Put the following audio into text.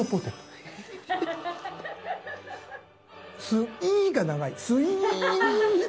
「スイー」が長い。